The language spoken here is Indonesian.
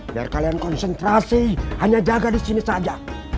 biar kalian konsentrasi hanya jaga di sini saja